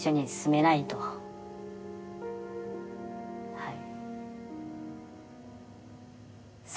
はい。